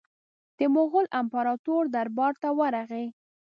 د مغول امپراطور دربار ته ورغی.